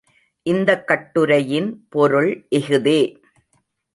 இந்தக் கட்டுரையின் பொருள் இஃதே!